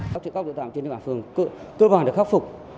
các trực cấp đội tảng trên những bảng phường cơ bản được khắc phục